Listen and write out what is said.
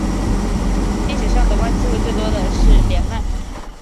历史上夺冠次数最多的是曼联。